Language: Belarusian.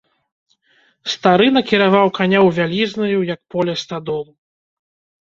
Стары накіраваў каня ў вялізную, як поле, стадолу.